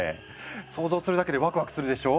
想像するだけでワクワクするでしょ？